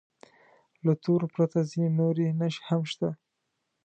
له تورو پرته ځینې نورې نښې هم شته.